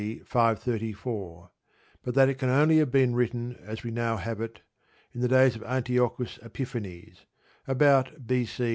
534, but that it can only have been written, as we now have it, in the days of Antiochus Epiphanes, about B.C.